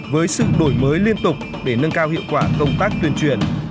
với sự đổi mới liên tục để nâng cao hiệu quả công tác tuyên truyền